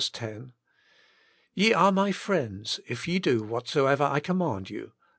" Ye are My friends, if Ye Do Whatsoever I Command You" (v.